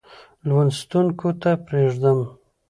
لوستونکو ته پرېږدم.